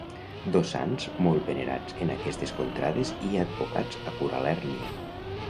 Dos sants molt venerats en aquestes contrades i advocats a curar l'hèrnia.